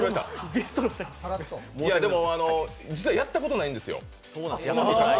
でも実はやったことないんですよ